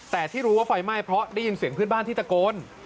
แต่ที่รู้ว่าไฟไหม้เพราะได้ยินเสียงเพื่อนบ้านที่ตะโกน